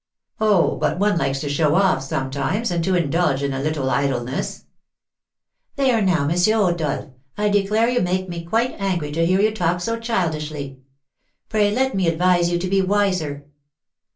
"Oh, but one likes to show off sometimes, and to indulge in a little idleness." "There now, M. Rodolph, I declare you make me quite angry to hear you talk so childishly! Pray let me advise you to be wiser."